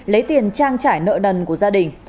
lấy tiền trang trải nợ nần của gia đình